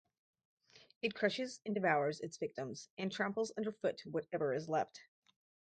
It crushes and devours its victims, and tramples underfoot whatever is left.